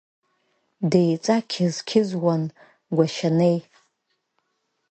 Деиҵақьыз-қьызуан Гәашьанеи.